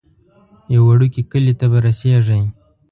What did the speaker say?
یو وړوکی کلی ته به رسیږئ.